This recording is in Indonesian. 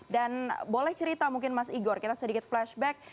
dan boleh cerita mungkin mas igor kita sedikit flashback